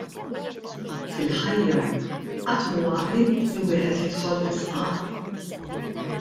Fil-ħajja, qatt mhu għaqli li wieħed jidħol fi sqaq.